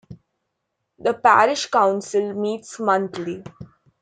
The Parish Council meets monthly.